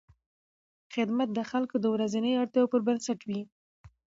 خدمت د خلکو د ورځنیو اړتیاوو پر بنسټ وي.